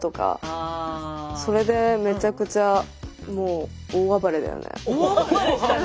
それでめちゃくちゃもう大暴れしたの。